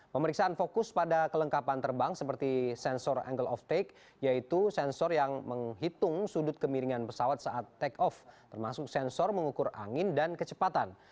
pemeriksaan fokus pada kelengkapan terbang seperti sensor angle of take yaitu sensor yang menghitung sudut kemiringan pesawat saat take off termasuk sensor mengukur angin dan kecepatan